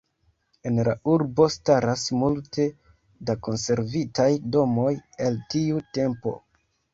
En la urbo staras multe da konservitaj domoj el tiu tempo.